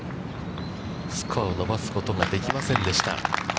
スコアを伸ばすことができませんでした。